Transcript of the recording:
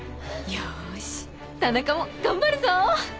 よし田中も頑張るぞ！